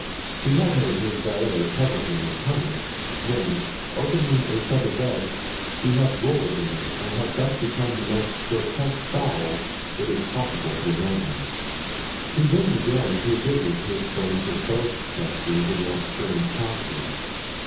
He had made his valet cover him with honey; then, opening a feather bed, he had rolled in it and had thus become the most grotesque fowl it is possible to imagine. He then began to visit his friends of both sexes, in that strange costume.